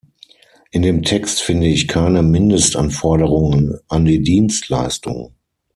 In dem Text finde ich keine Mindestanforderungen an die Dienstleistung.